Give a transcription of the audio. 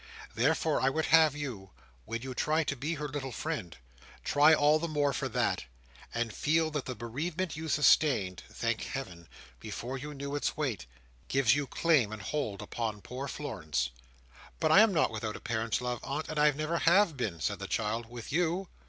Therefore I would have you, when you try to be her little friend, try all the more for that, and feel that the bereavement you sustained—thank Heaven! before you knew its weight—gives you claim and hold upon poor Florence." "But I am not without a parent's love, aunt, and I never have been," said the child, "with you."